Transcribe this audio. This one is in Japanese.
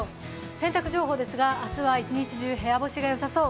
洗濯情報ですが明日は一日中、部屋干しがよさそう。